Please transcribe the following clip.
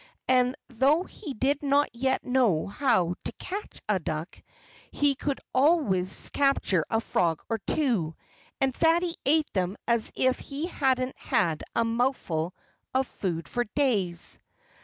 And though he did not yet know how to catch a duck, he could always capture a frog or two; and Fatty ate them as if he hadn't had a mouthful of food for days.